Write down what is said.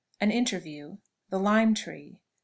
AN INTERVIEW. THE LIME TREE.